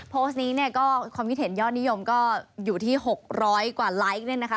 โพสต์นี้ความคิดเห็นยอดนิยมก็อยู่ที่๖๐๐กว่าไลค์